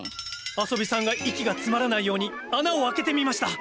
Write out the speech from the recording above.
あそびさんが息が詰まらないように穴を開けてみました。